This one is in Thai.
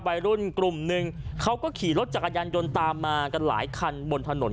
วัยรุ่นกลุ่มหนึ่งเขาก็ขี่รถจักรยานยนต์ตามมากันหลายคันบนถนน